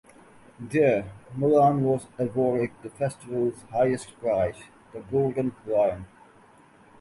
There Mullan was awarded the festival's highest prize, the Golden Lion.